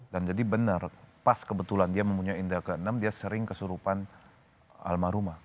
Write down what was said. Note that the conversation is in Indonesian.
dan jadi benar pas kebetulan dia mempunyai indra ke enam dia sering kesurupan almarhumah